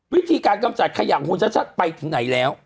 วิธีการกำจัดขยะของคุณชัดไปถึงไหนแล้ว